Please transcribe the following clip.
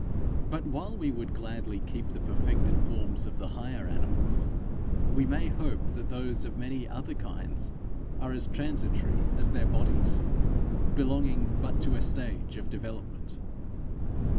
But while we would gladly keep the perfected forms of the higher animals, we may hope that those of many other kinds are as transitory as their bodies, belonging but to a stage of development.